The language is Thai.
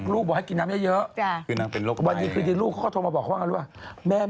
อ๋อลูกบอกให้กินน้ำเร็วเยอะวันดีลูกเค้าก็โทรมาบอกเขาเรื่องอะไรหรือวะ